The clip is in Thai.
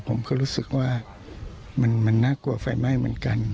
ผมก็รู้สึกว่ามันน่ากลัวไฟไหม้เหมือนกัน